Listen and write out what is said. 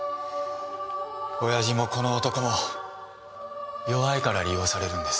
親父もこの男も弱いから利用されるんです。